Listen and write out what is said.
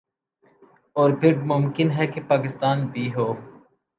اور پھر ممکن ہے کہ پاکستان بھی ہو